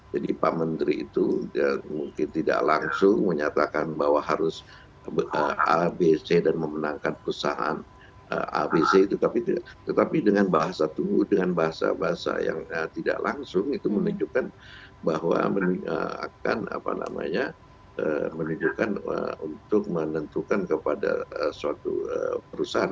jadi pak menteri itu mungkin tidak langsung menyatakan bahwa harus abc dan memenangkan perusahaan abc itu tetapi dengan bahasa tunggu dengan bahasa bahasa yang tidak langsung itu menunjukkan bahwa akan apa namanya menunjukkan untuk menentukan kepada suatu perusahaan